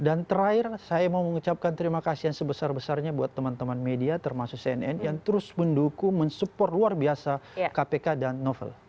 dan terakhir saya mau mengucapkan terima kasih yang sebesar besarnya buat teman teman media termasuk cnn yang terus mendukung mensupport luar biasa kpk dan novel